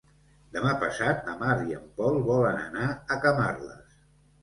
Demà passat na Mar i en Pol volen anar a Camarles.